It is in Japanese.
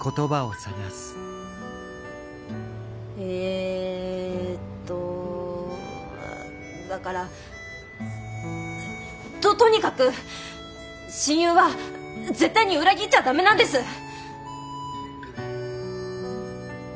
えっとだからとっとにかく親友は絶対に裏切っちゃダメなんです！